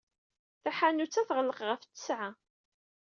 Taḥanut-a tɣelleq ɣef ttesɛa.